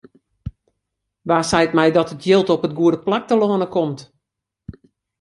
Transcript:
Wa seit my dat it jild op it goede plak telâne komt?